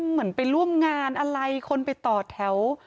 เหมือนไปร่วมงานอะไรคนไปต่อแถว